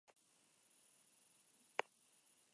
Participan en las Romerías de Mayo en Holguín.